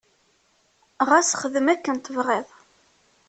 Ɣas xdem akken tebɣiḍ.